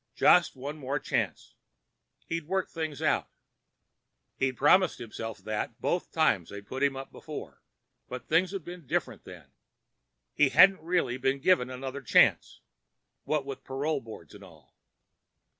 Just one more chance. He'd work things out. He'd promised himself that both times they'd put him up before, but things had been different then. He hadn't really been given another chance, what with parole boards and all.